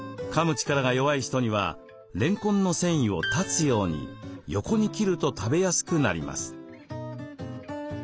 力が弱い人にはれんこんの繊維を断つように横に切ると食べやすくなります。